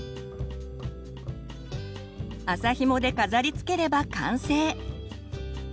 麻ひもで飾りつければ完成！